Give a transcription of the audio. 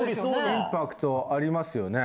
インパクトありますよね。